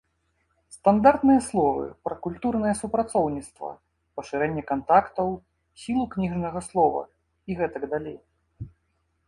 Стандартныя словы пра культурнае супрацоўніцтва, пашырэнне кантактаў, сілу кніжнага слова і гэтак далей.